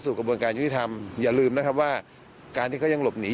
กระบวนการยุติธรรมอย่าลืมนะครับว่าการที่เขายังหลบหนี